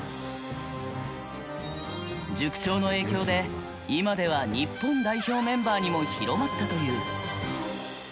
塾長の影響で今では日本代表メンバーにも広まったという。